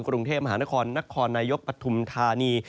กรุงเทพมหานครนครนายกปฐุมธานี